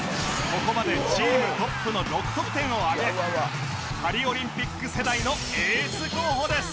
ここまでチームトップの６得点を挙げパリオリンピック世代のエース候補です！